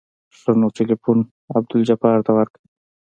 ښه نو ټېلفون عبدالجبار ته ورکه.